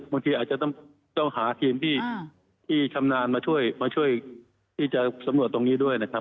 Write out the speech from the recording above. บางทีอาจจะต้องหาทีมที่ชำนาญมาช่วยมาช่วยที่จะสำรวจตรงนี้ด้วยนะครับ